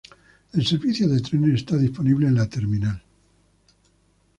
El servicio de trenes está disponible en la terminal.